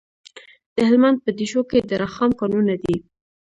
د هلمند په دیشو کې د رخام کانونه دي.